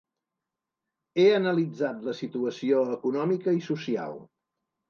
He analitzat la situació econòmica i social.